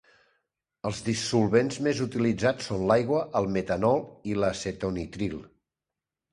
Els dissolvents més utilitzats són l'aigua, el metanol i l'acetonitril.